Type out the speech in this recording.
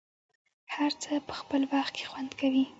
هر څه په خپل وخت کې خوند کوي.